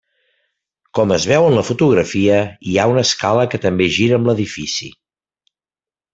Com es veu en la fotografia, hi ha una escala que també gira amb l'edifici.